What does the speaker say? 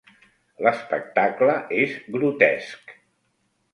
L'espectacle és grotesc.